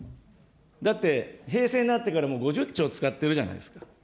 だって、平成になってからもう５０兆使ってるじゃないですか。